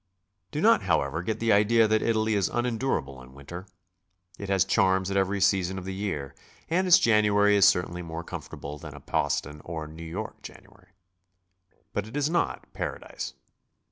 Do not, however, get the idea that Italy is unendurable in winter. It has charms at every season of the year, and its January is certainly more comfortable than a Boston or New York January. But it is not Paradise.